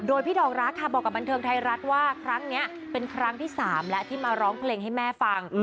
โดยพี่ดอกรักค่ะบอกกับบันเทิงไทยรัฐว่าครั้งนี้เป็นครั้งที่๓แล้วที่มาร้องเพลงให้แม่ฟัง